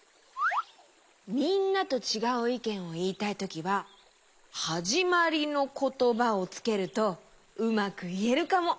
みんなとちがういけんをいいたいときははじまりのことばをつけるとうまくいえるかも！